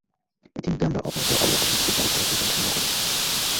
ইতিমধ্যে আমরা অপহূত আবু বক্কর সিদ্দিকের গাড়ির চালক রিপনের সঙ্গেও কথা বলেছি।